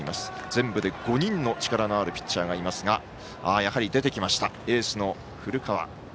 全部で５人の力のあるピッチャーがいますがやはり出てきましたエースの古川。